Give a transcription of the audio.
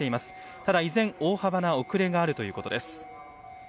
ただ依然大幅な遅れがあるということです。